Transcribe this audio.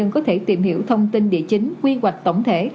có thể tìm hiểu thông tin địa chính quy hoạch tổng thể